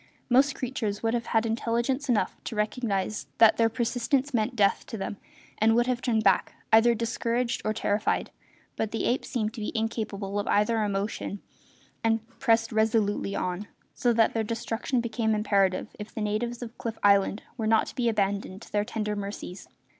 Most creatures would have had intelligence enough to recognise eventually that their persistence meant death to them and would have turned back, either discouraged or terrified, but the apes seemed to be incapable of either emotion and pressed resolutely on, so that their destruction became imperative if the natives of Cliff Island were not to be abandoned to their tender mercies.